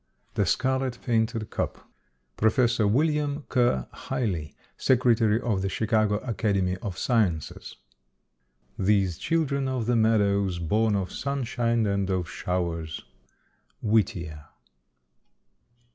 THE SCARLET PAINTED CUP. PROF. WILLIAM KERR HIGLEY, Secretary of The Chicago Academy of Sciences. These children of the meadows, born Of sunshine and of showers. _Whittier.